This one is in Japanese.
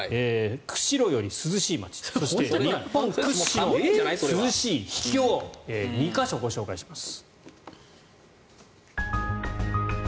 釧路より涼しい街そして日本屈指の涼しい秘境２か所ご紹介します。